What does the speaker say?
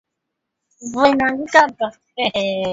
baada ya chakula cha jioni kwenye mkutano